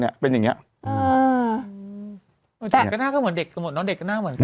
เนี่ยเป็นอย่างเงี้ยอือแต่ก็หน้าเหมือนเด็กก็หมดเนอะเด็กก็หน้าเหมือนกัน